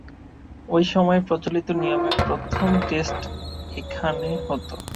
ঐ সময়ে প্রচলিত নিয়মে প্রথম টেস্ট এখানে হতো।